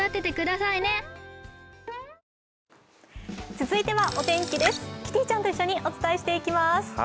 続いてはお天気です、キティちゃんと一緒にお伝えします。